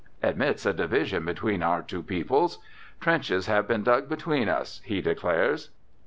Admits a division between our two peoples. "Trenches have been dug between us," he declares.